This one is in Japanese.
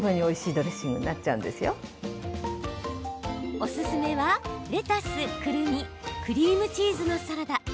おすすめは、レタス、くるみクリームチーズのサラダ。